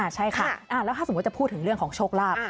ใช่ค่ะแล้วถ้าสมมุติจะพูดถึงเรื่องของโชคลาภ